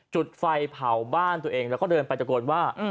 จุดไฟเผาบ้านตัวเองแล้วก็เดินไปตะโกนว่า